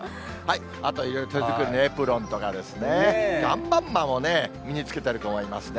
あと、いろいろ手作りのエプロンとかですね、アンパンマンを身に着けてる子もいますね。